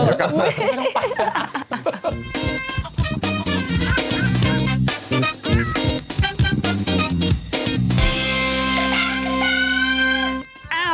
ไม่ต้องไป